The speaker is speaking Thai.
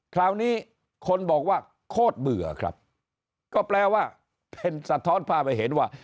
คราวนี้คนบอกว่าโคตรเบื่อครับก็แปลว่าเป็นสะท้อนภาพให้เห็นว่า